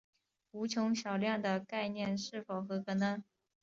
无穷小量的概念是否严格呢？